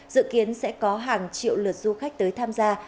dự kiến sẽ có hàng triệu lượt du khách tới tham gia